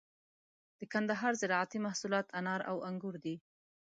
د کندهار زراعتي محصولات انار او انگور دي.